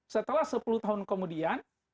setelah sepuluh tahun kemudian